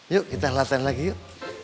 yuk kita latihan lagi yuk